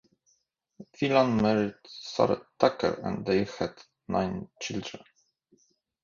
Wayland married Sarah Tucker and they had nine children.